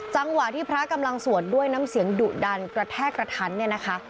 จังหวะที่พระกำลังสวดด้วยน้ำเสียงดุดันกระแทกกระทันเนี่ยนะคะ